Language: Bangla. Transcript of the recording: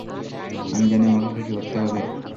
আমি জানি আমাকে কী করতে হবে।